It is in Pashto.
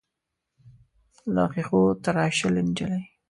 له ښیښو تراشلې نجلۍ.